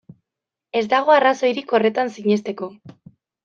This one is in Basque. Ez dago arrazoirik horretan sinesteko.